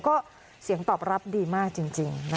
ก็เสียงตอบรับดีมากจริง